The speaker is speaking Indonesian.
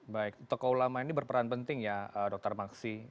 baik tokoh ulama ini berperan penting ya dokter maksi